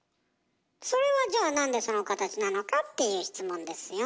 それはじゃあなんでその形なのかっていう質問ですよ。